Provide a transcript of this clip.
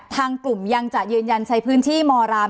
ทางกลุ่มยังจะยืนยันใช้พื้นที่มราม